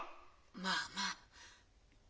まあまあ。